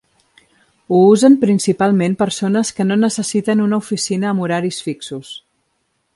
Ho usen principalment persones que no necessiten una oficina amb horaris fixos.